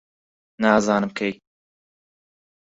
نازانم کەی